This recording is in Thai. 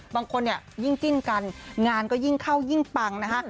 บางคนเนี่ยยิ่งจิ้นกันงานก็ยิ่งเข้ายิ่งปังนะคะ